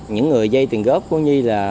những người dây tiền góp của nhi